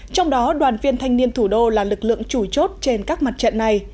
trong đó đoàn viên thanh niên thủ đô là lực lượng chủ chốt trên các mặt trận này